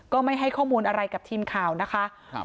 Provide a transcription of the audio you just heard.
ไม่ให้ข้อมูลอะไรกับทีมข่าวนะคะครับ